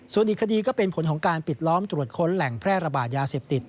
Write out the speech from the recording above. ส่วนอีกคดีก็เป็นผลของการปิดล้อมตรวจค้นแหล่งแพร่ระบาดยาเสพติด